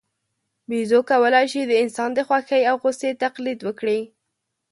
بیزو کولای شي د انسان د خوښۍ او غوسې تقلید وکړي.